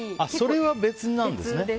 それは別なんですね。